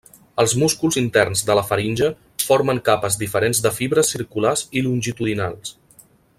Els músculs interns de la faringe formen capes diferents de fibres circulars i longitudinals.